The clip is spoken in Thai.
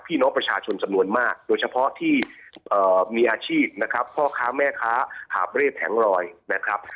พี่น้องประชาชนจำนวนมากโดยเฉพาะที่มีอาชีพนะครับพ่อค้าแม่ค้าหาบเร่แผงลอยนะครับ